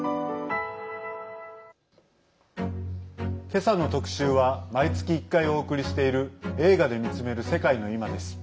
けさの特集は毎月１回お送りしている「映画で見つめる世界のいま」。